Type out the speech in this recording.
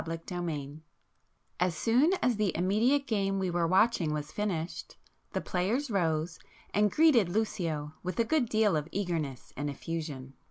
Back [p 107]X As soon as the immediate game we were watching was finished, the players rose, and greeted Lucio with a good deal of eagerness and effusion.